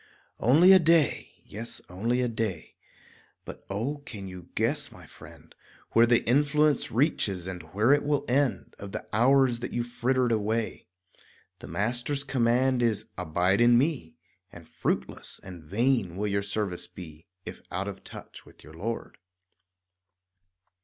Only a day, yes, only a day! But oh, can you guess, my friend, Where the influence reaches, and where it will end Of the hours that you frittered away? The Master's command is "Abide in me" And fruitless and vain will your service be If "out of touch" with your Lord.